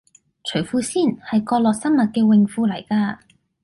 除褲先，係角落生物嘅泳褲嚟㗎